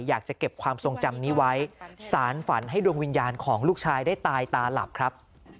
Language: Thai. อยากจะเก็บความทรงจำนี้ไว้สารฝันให้ดวงวิญญาณของลูกชายได้ตายตาหลับครับ